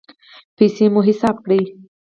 پیسې مو حساب کړئ